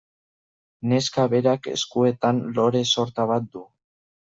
Neska berak eskuetan lore sorta bat du.